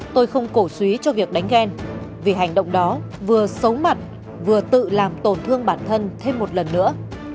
tôi không cổ suý cho việc đánh ghen vì hành động đó vừa xấu mặt vừa tự làm tổn thương bản thân thêm một lần nữa